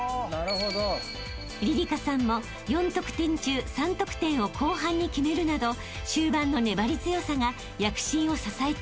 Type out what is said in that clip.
［りりかさんも４得点中３得点を後半に決めるなど終盤の粘り強さが躍進を支えていました］